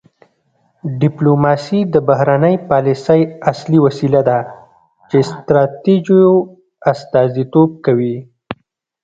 ډیپلوماسي د بهرنۍ پالیسۍ اصلي وسیله ده چې ستراتیژیو استازیتوب کوي